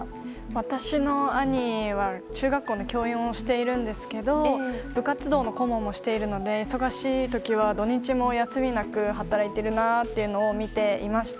私の兄は中学校の教員をしているんですが部活動の顧問もしているので忙しい時は土日も休みなく働いているなというのを見ていました。